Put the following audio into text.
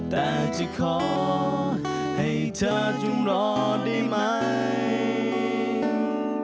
แต่จะขอให้เธอจึงรอได้ไหม